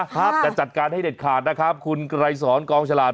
จะจัดการให้เด็ดขาดนะครับคุณไกรสอนกองฉลาด